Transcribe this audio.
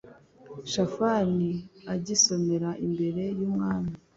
shafani agisomera imbere y umwami